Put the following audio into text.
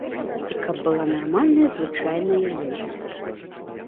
І каб была нармальная звычайная ежа.